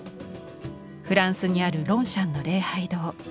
フランスにある「ロンシャンの礼拝堂」。